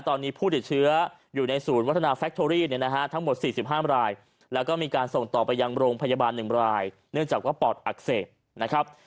ตอนนี้ผู้ติดเชื้ออยู่ในศูนย์วัฒนาแฟคโทรี่เนี่ยนะฮะทั้งหมด๔๕รายแล้วก็มีการส่งต่อไปยังโรงพยาบาล๑รายเนื่องจากว่าปอดอักเสบนะครับ